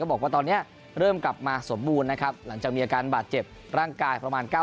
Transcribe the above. บอกว่าตอนนี้เริ่มกลับมาสมบูรณ์นะครับหลังจากมีอาการบาดเจ็บร่างกายประมาณ๙๐